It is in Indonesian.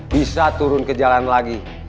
bisa turun ke jalan lagi